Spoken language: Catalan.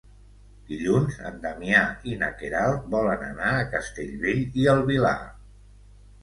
Dilluns en Damià i na Queralt volen anar a Castellbell i el Vilar.